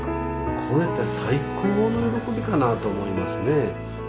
これって最高の喜びかなと思いますね。